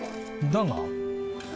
だが。